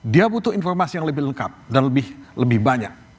dia butuh informasi yang lebih lengkap dan lebih banyak